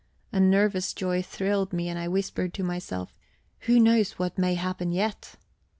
A nervous joy thrilled me, and I whispered to myself: Who knows what may happen yet?